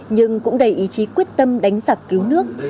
nhưng cũng đầy ý chí quyết tâm đánh giặc cứu nước